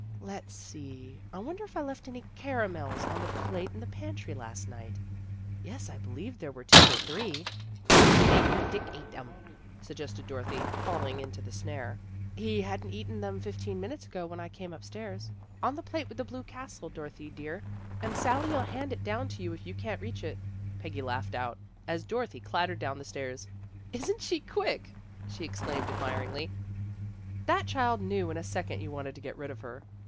" Let's see! I wonder if I left any caramels on the plate in the pantry last night. Yes, I believe there were two or three." 152 THE GIRLS OF FRIENDLY TERRACE " Maybe Dick ate 'em," suggested Dorothy, falling into the snare. " He hadn't eaten them fifteen minutes ago when I came upstairs. On the plate with the blue castle, Dorothy, dear, and Sally'll hand it down to you if you can't reach it." Peggy laughed out, as Dorothy clattered down the stairs. " Isn't she quick?/' she exclaimed ad miringly. ' That child knew in a second you wanted to get rid of her."